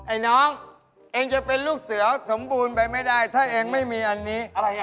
ไอ้น้องเองจะเป็นลูกเสือสมบูรณ์ไปไม่ได้ถ้าเองไม่มีอันนี้อะไรอ่ะ